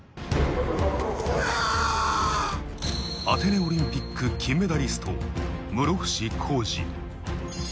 アテネオリンピック金メダリスト、室伏広治。